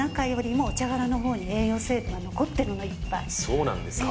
そうなんですか。